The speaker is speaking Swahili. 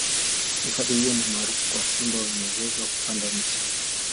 hifadhi hiyo ni maarufu kwa simba wenye uwezo wa kupanda miti